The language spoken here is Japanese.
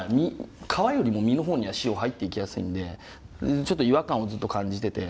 皮よりも身の方には塩入ってきやすいんでちょっと違和感をずっと感じてて。